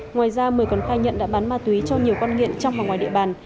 ngoài ra một mươi con khai nhận đã bán ma túy cho nhiều con nghiện trong và ngoài địa bàn